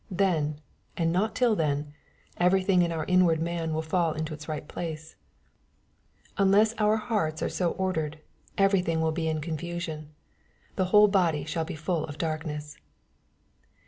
Then, and not till then, everything in our inward man will fall into its right place. Unless our hearts are so ordered, MATTHBW, CHAP. VI. OT everything will be in ponfusion. " Thy whole body shaU be full of darkness."